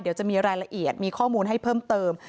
เดี๋ยวจะมีรายละเอียดมีข้อมูลให้เพิ่มเติม